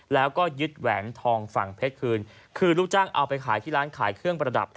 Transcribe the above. แล้วก็ยึดแหวนทองฝั่งเพชรคืนคือลูกจ้างเอาไปขายที่ร้านขายเครื่องประดับ